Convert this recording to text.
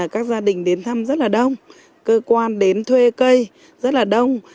các gia đình đến thăm rất là đông cơ quan đến thuê cây rất là đông